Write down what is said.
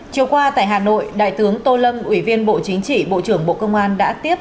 chiều qua tại hà nội đại tướng tô lâm ủy viên bộ chính trị bộ trưởng bộ công an đã tiếp